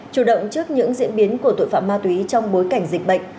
chủ động trước những diễn biến của tội phạm ma túy trong bối cảnh dịch bệnh